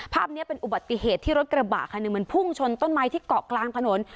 ภาพนี้เป็นอุบัติเหตุที่รถกระบะคันหนึ่งมันพุ่งชนต้นไม้ที่เกาะกลางถนน